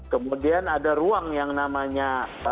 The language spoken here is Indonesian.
kemudian ada ruang yang namanya